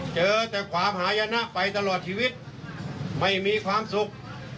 เจอแต่ความหายนะไปตลอดชีวิตไม่มีความสุข